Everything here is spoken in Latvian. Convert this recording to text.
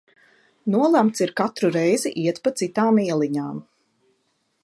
Nolemts ir katru reizi iet pa citām ieliņām.